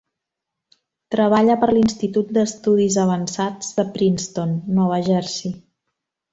Treballa per l'Institut d'Estudis Avançats de Princeton, Nova Jersey.